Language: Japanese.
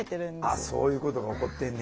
あっそういうことが起こってんねや。